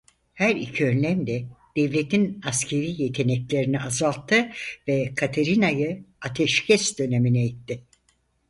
Her iki önlem de devletin askeri yeteneklerini azalttı ve Katerina'yı ateşkes dönemine itti.